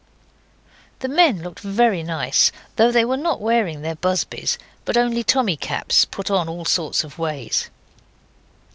The men looked very nice, though they were not wearing their busbies, but only Tommy caps, put on all sorts of ways.